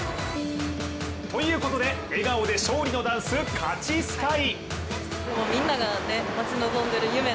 ということで、笑顔で勝利のダンス、「勝ちＳＫＹ」。